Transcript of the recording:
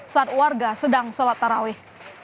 saat warga sedang sholat tarawih